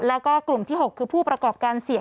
แล้วก็กลุ่มที่๖คือผู้ประกอบการเสี่ยง